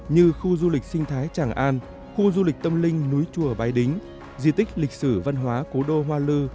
như khu du lịch sinh thái tràng an khu du lịch tâm linh núi chùa bái đính di tích lịch sử văn hóa cố đô hoa lư